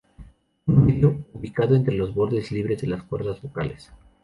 Uno medio, ubicado entre los bordes libres de las cuerdas vocales.